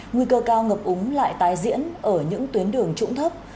nguy cơ cao ngập úng lại tái diễn ở những tuyến đường trũng thấp